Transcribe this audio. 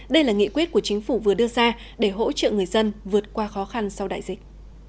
đây là nghị quyết của chính phủ vừa đưa ra để hỗ trợ người dân vượt qua khó khăn sau đại dịch